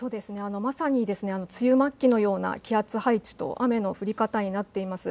まさに梅雨末期のような気圧配置と雨の降り方になっています。